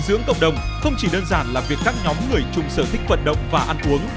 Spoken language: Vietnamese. dinh dưỡng cộng đồng không chỉ đơn giản là việc các nhóm người chung sở thích vận động và ăn uống